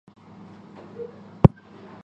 西雅图市中心公交隧道。